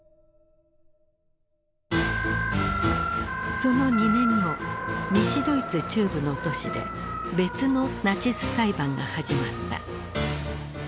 その２年後西ドイツ中部の都市で別のナチス裁判が始まった。